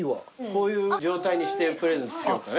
こういう状態にしてプレゼントしようかね。